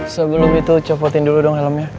sebelum itu copotin dulu dong helmnya